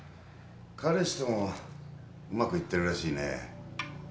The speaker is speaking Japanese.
彼氏ともうまくいってるらしいね。